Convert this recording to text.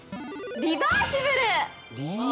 ◆リバーシブル。